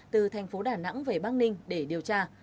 từ thành phố đà nẵng về bắc ninh để điều tra